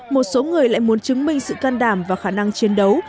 một số người lại muốn chứng minh sự can đảm và khả năng chiến đấu